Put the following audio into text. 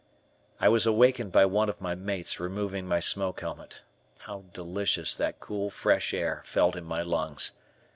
I was awakened by one of my mates removing my smoke helmet. How delicious that cool, fresh air felt in my lungs.